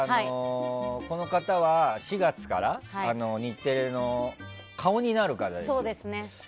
この方は４月から日テレの顔になる方です。